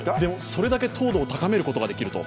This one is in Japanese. それだけ糖度を高めることができると。